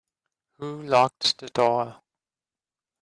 Who locked the door?